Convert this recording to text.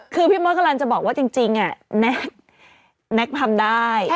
คือพี่เมาส์กรรันดร์จะบอกว่าจริงแน็คแน็คทำได้